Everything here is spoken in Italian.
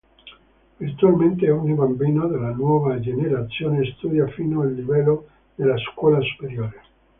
Virtualmente ogni bambino della nuova generazione studia fino al livello della scuola superiore.